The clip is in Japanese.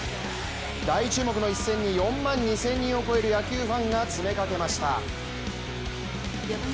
大注目の一戦に４万２０００人を超える野球ファンが詰めかけました。